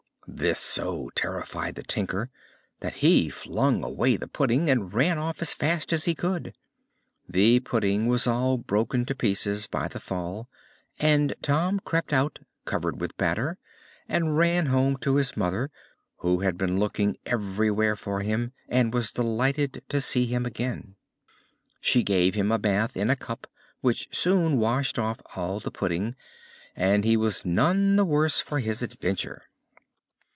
This so terrified the tinker that he flung away the pudding, and ran off as fast as he could. The pudding was all broken to pieces by the fall, and Tom crept out, covered with batter, and ran home to his mother, who had been looking everywhere for him, and was delighted to see him again. She gave him a bath in a cup, which soon washed off all the pudding, and he was none the worse for his adventure.